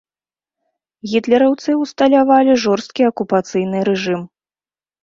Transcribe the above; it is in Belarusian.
Гітлераўцы ўсталявалі жорсткі акупацыйны рэжым.